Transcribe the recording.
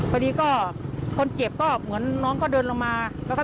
พอดีก็คนเก็บน้องก็เดินลงมา